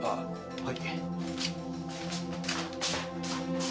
はい！